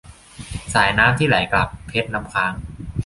สายน้ำที่ไหลกลับ - เพชรน้ำค้าง